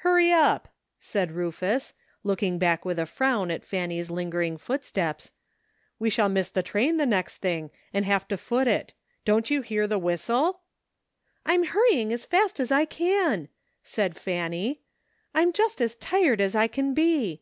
"Hurry up," said Rufus, looking back with a frown at Fanny's lingering footsteps, " we shall miss the train the next thing and have to foot it. Don't you hear the whistle?" " I'm hurrying as fast as I can," said Fanny. "I'm just as tired as I can be.